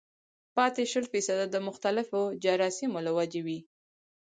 پاتې شل فيصده د مختلفو جراثيمو له وجې وي